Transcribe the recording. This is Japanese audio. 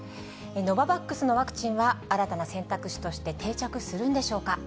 ノババックスのワクチンは新たな選択肢として定着するんでしょうか。